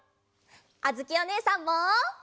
あづきおねえさんも。